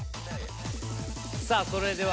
さあそれでは。